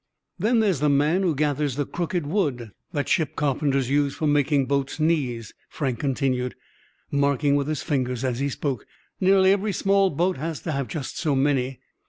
"Then there's the man who gathers the crooked wood that ship carpenters use for making boats' knees," Frank continued, marking with his fingers as he spoke. "Nearly every small boat has to have just so many.